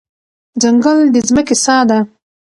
ځنګل د ځمکې ساه ده.